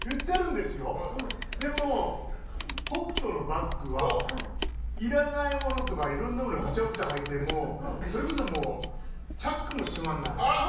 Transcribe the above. でも北斗のバッグはいらないものとかいろんなものぐちゃぐちゃ入ってそれこそ、チャックも閉まんない。